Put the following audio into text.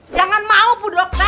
jangan mau bu dokter